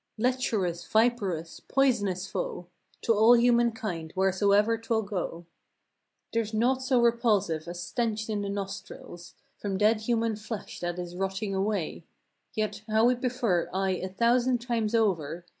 Lecherous! viperous! poisonous foe To all human kind wheresoever 'twill go. i66 There's naught so repulsive as stench in the nostrils From dead human flesh that is rotting away; Yet how we prefer, aye, a thousand times over.